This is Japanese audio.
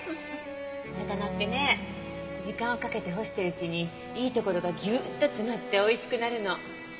魚ってね時間をかけて干してるうちにいいところがギューッと詰まっておいしくなるの。